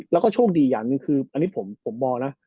แล้วก็โชคดีอย่างหนึ่งคืออันนี้ผมมองนะ